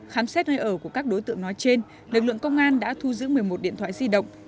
khám xét nơi ở của các đối tượng nói trên lực lượng công an đã thu giữ một mươi một điện thoại di động